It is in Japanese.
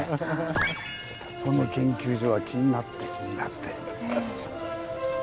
この研究所は気になって気になって。